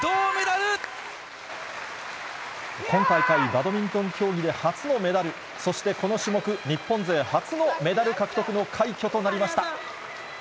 今大会、バドミントン競技で初のメダル、そしてこの種目、日本勢初のメダル獲得の快挙となりました。